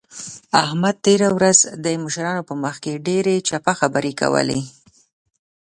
احمد تېره ورځ د مشرانو په مخ کې ډېرې چپه خبرې کولې.